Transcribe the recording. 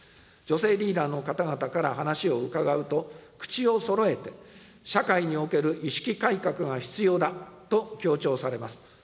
女性リーダーの方々から話を伺うと、口をそろえて、社会における意識改革が必要だと強調されます。